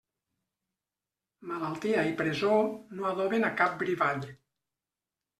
Malaltia i presó no adoben a cap brivall.